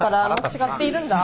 違っているんだ。